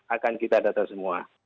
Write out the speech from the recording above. akan kita data semua